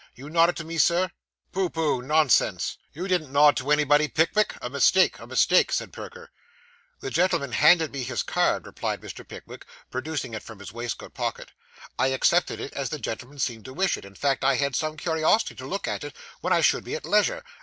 You nodded to me, sir?' 'Pooh, pooh, nonsense. You didn't nod to anybody, Pickwick? A mistake, a mistake,' said Perker. 'The gentleman handed me his card,' replied Mr. Pickwick, producing it from his waistcoat pocket. 'I accepted it, as the gentleman seemed to wish it in fact I had some curiosity to look at it when I should be at leisure.